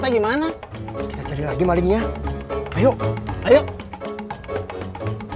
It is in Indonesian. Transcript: sebenernya diketuk pak